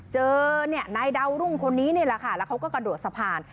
เจอนายดาวรุ่งคนนี้แล้วเขาก็กระโดดสะพาน